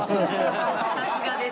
さすがです。